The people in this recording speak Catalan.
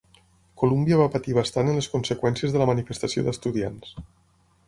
Columbia va patir bastant en les conseqüències de la manifestació d'estudiants.